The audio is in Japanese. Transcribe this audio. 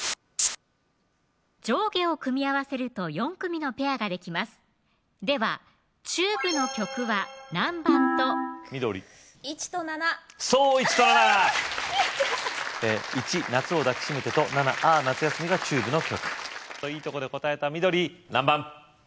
上下を組み合わせると４組のペアができますではＴＵＢＥの曲は何番と緑１と７そう１と７１夏を抱きしめてと７あー夏休みがＴＵＢＥの曲いいとこで答えた緑何番？